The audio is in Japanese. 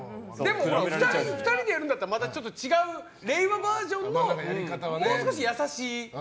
２人でやるんだったら、違う令和バージョンのもう少し優しい。